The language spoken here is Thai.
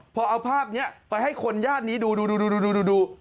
พอเอาภาพนี้ไปให้คนย่านนี้ดู